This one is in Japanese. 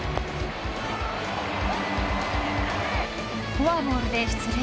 フォアボールで出塁。